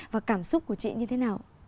và cảm xúc của chị như thế nào